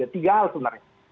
tiga hal sebenarnya